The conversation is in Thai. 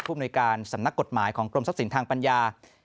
มนุยการสำนักกฎหมายของกรมทรัพย์สินทางปัญญา